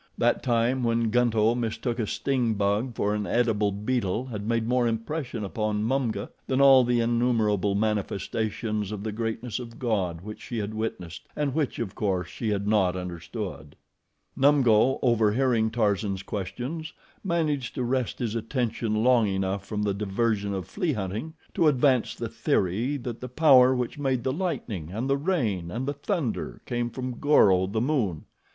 That time when Gunto mistook a sting bug for an edible beetle had made more impression upon Mumga than all the innumerable manifestations of the greatness of God which she had witnessed, and which, of course, she had not understood. Numgo, overhearing Tarzan's questions, managed to wrest his attention long enough from the diversion of flea hunting to advance the theory that the power which made the lightning and the rain and the thunder came from Goro, the moon.